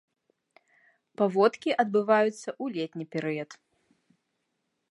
Паводкі адбываюцца ў летні перыяд.